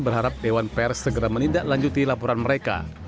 berharap dewan pers segera menindaklanjuti laporan mereka